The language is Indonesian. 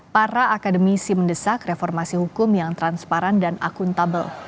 para akademisi mendesak reformasi hukum yang transparan dan akuntabel